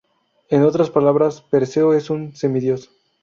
En otras palabras: Perseo es un semidiós.